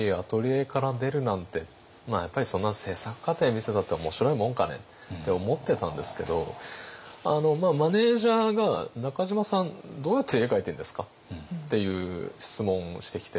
やっぱり「そんな制作過程見せたって面白いもんかね？」って思ってたんですけどマネージャーが「中島さんどうやって絵描いているんですか？」っていう質問をしてきて。